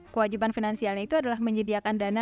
kewajiban finansialnya itu adalah menyediakan dana